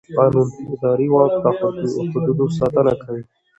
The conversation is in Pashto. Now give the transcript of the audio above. قانون د اداري واک د حدودو ساتنه کوي.